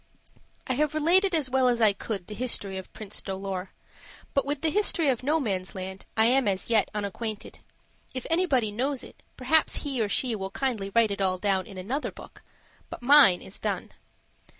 I have related as well as I could the history of Prince Dolor, but with the history of Nomansland I am as yet unacquainted. If anybody knows it, perhaps he or she will kindly write it all down in another book. But mine is done.